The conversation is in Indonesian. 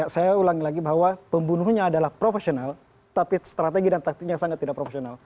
saya ulangi lagi bahwa pembunuhnya adalah profesional tapi strategi dan taktiknya sangat tidak profesional